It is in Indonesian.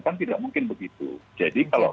kan tidak mungkin begitu jadi kalau